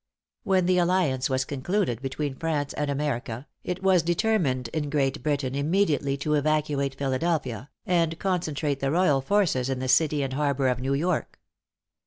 When the alliance was concluded between France and America, it was determined in Great Britain immediately to evacuate Philadelphia, and concentrate the royal forces in the city and harbor of New York.